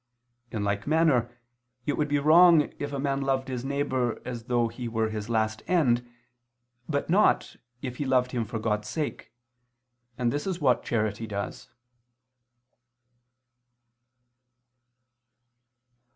In like manner it would be wrong if a man loved his neighbor as though he were his last end, but not, if he loved him for God's sake; and this is what charity does.